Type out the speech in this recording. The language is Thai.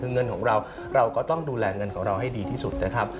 คือเงินของเราเราก็ต้องดูแลเงินของเราให้ดีที่สุดนะครับ